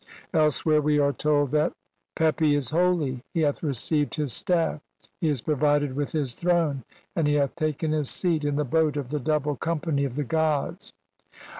Elsewhere we are told that (1. 169): — "Pepi is holy. He hath received "his staff, he is provided with his throne, and he hath "taken his seat in the boat of the double company of "the gods.